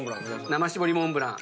生搾りモンブラン。